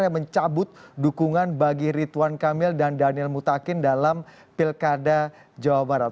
yang mencabut dukungan bagi ridwan kamil dan daniel mutakin dalam pilkada jawa barat